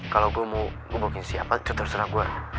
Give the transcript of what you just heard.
kalau gue mau gebukin siapa itu terserah gue